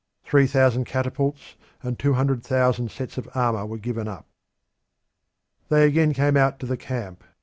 Three thousand catapults and two hundred thousand sets of armour were given up. They again came out to the camp.